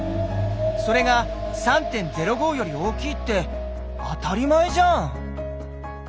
それが３．０５より大きいって当たり前じゃん！